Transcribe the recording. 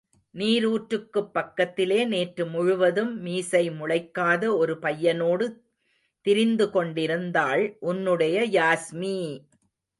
நீரூற்றுக்குப் பக்கத்திலே நேற்று முழுவதும் மீசை முளைக்காத ஒரு பையனோடு திரிந்து கொண்டிருந்தாள் உன்னுடைய யாஸ்மி!